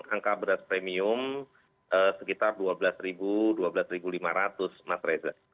angka beras premium sekitar rp dua belas rp dua belas lima ratus